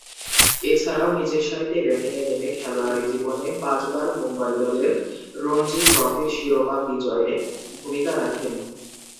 এছাড়াও, নিচেরসারিতে ব্যাটিংয়ে নেমে খেলোয়াড়ী জীবনে পাঁচবার মুম্বই দলের রঞ্জী ট্রফির শিরোপা বিজয়ে ভূমিকা রাখেন।